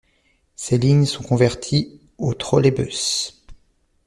Ces lignes sont converties au trolleybus.